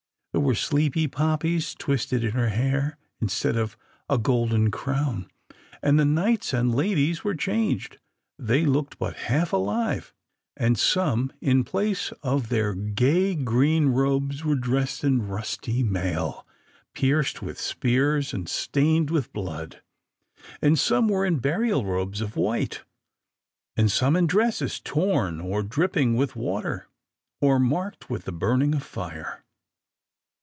There were sleepy poppies twisted in her hair, instead of a golden crown. And the knights and ladies were changed. They looked but half alive; and some, in place of their gay green robes, were dressed in rusty mail, pierced with spears and stained with blood. And some were in burial robes of white, and some in dresses torn or dripping with water, or marked with the burning of fire.